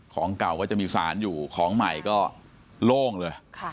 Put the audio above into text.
ของเก่าก็จะมีสารอยู่ของใหม่ก็โล่งเลย